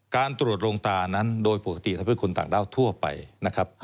การตรวจโรงตานั้นโดยปกติทำให้คนต่างด้าวทั่วไปนะครับ